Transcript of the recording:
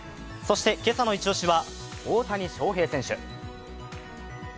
今朝のイチ押しは大谷翔平選手。